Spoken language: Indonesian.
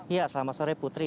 ya selamat sore putri